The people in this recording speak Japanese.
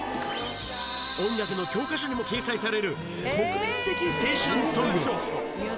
音楽の教科書にも掲載される国民的青春ソング。